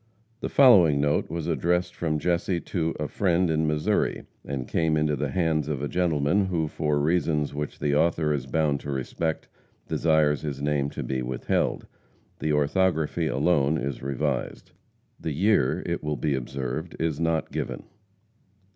The following note was addressed from Jesse to "a friend" in Missouri, and came into the hands of a gentleman who, for reasons which the author is bound to respect, desires his name to be withheld. The orthography alone is revised. The year, it will be observed, is not given.